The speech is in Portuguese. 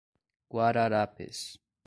Guararapes